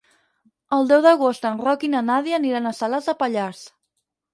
El deu d'agost en Roc i na Nàdia aniran a Salàs de Pallars.